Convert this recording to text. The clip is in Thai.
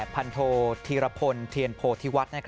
พันโทธีรพลเทียนโพธิวัฒน์